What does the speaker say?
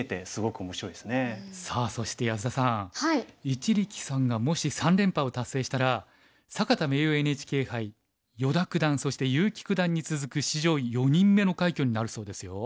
一力さんがもし三連覇を達成したら坂田名誉ＮＨＫ杯依田九段そして結城九段に続く史上４人目の快挙になるそうですよ。